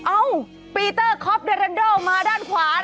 อ้าวปีเตอร์คอปเดอรันด้อมาด้านขวานะคะ